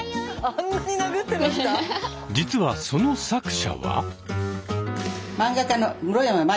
実はその作者は。